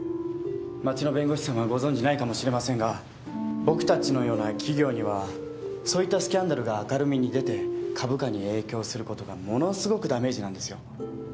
町の弁護士さんはご存じないかもしれませんが僕たちのような企業にはそういったスキャンダルが明るみに出て株価に影響することがものすごくダメージなんですよ。